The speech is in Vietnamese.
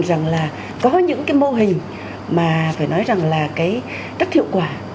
rằng là có những mô hình mà phải nói rằng là rất hiệu quả